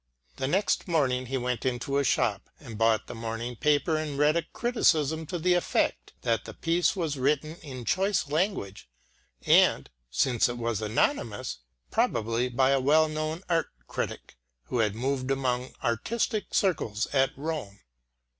The next morning he went into a shop, and bought the morning paper and read a criticism to the effect that the piece was written in choice language, and (since it was anonymous) probably by a well known art critic who had moved among artistic circles at Rome.